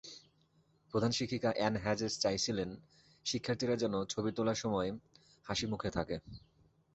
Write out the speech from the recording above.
প্রধান শিক্ষিকা Ann Hodges চাইছিলেন শিক্ষার্থীরা যেন ছবি তোলার সময় হাসিমুখে থাকে।